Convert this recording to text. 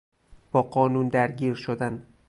با قانون درگیر شدن